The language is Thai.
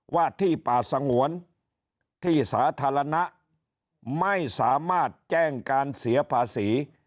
ว่าที่ป่าสงวนที่สาธารณะไม่สามารถแจ้งการเสียภาษี